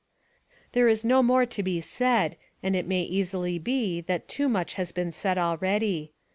There is no more to be said and it may easily be that too much has been said already.